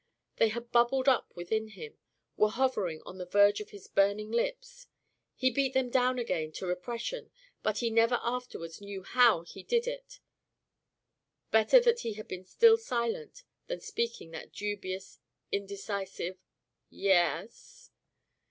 They had bubbled up within him were hovering on the verge of his burning lips. He beat them down again to repression; but he never afterwards knew how he did it. Better that he had been still silent, than speak that dubious, indecisive "Y es."